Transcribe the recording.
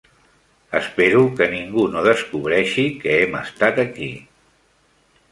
Espero que ningú no descobreixi que hem estat aquí.